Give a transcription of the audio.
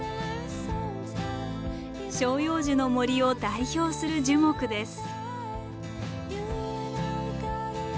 照葉樹の森を代表する樹木です。